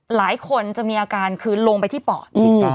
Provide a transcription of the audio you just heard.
หลายคนจะมีอาการคือลงไปที่ปอด